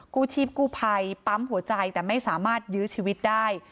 กู้ชีพกู้ภัยปั๊มหัวใจแต่ไม่สามารถยื้อชีวิตได้